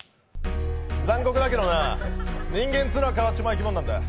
残酷だけどな人間ってのは変わっちまう生き物なんだよ。